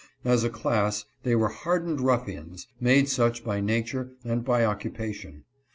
Asa class, they were hardened ruffians, made such by nature and by occupation.